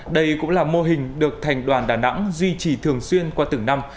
đây cũng là mô hình được thành đoàn đà nẵng duy trì thường xuyên qua từng năm